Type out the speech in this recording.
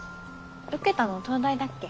受けたの東大だっけ？